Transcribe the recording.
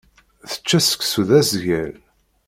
Tečča seksu d asgal.